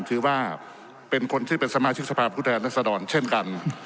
ถือว่าเป็นคนที่เป็นสมาชิกสภาพผู้แทนรัศดรเช่นกัน